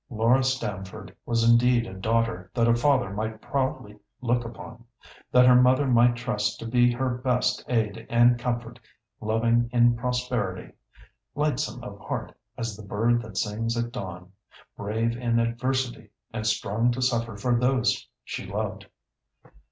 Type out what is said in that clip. Laura Stamford was indeed a daughter that a father might proudly look upon, that her mother might trust to be her best aid and comfort, loving in prosperity, lightsome of heart as the bird that sings at dawn, brave in adversity, and strong to suffer for those she loved.